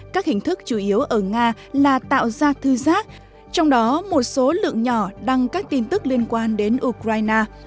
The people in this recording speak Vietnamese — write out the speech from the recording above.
các hình thức chủ yếu ở nga là tạo ra thư giác trong đó một số lượng nhỏ đăng các tin tức liên quan đến ukraine